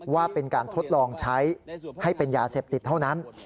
ว่าเป็นการทดลองใช้ให้เป็นยาเสพติดเท่านั้น